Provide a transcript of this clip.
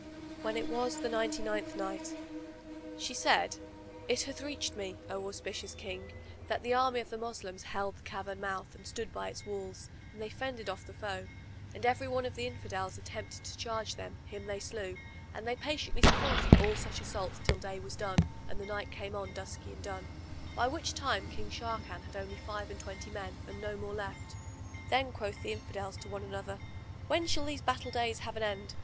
When it was the Ninety ninth Night, She said, It hath reached me, O auspicious King, that the army of the Moslems held the cavern mouth and stood by its walls and they fended off the foe, and every one of the Infidels attempted to charge them, him they slew; and they patiently supported all such assaults till day was done and night came on dusky and dun, by which time King Sharrkan had only five and twenty men and no more left. Then quoth the Infidels to one another, "When shall these battle days have an end?